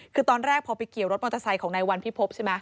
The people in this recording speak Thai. คือตอนแรกพอไปเกี่ยวรถมอเตอร์ไซค์ของนายวันพิพบใช่ไหม